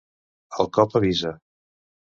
El cop avisa.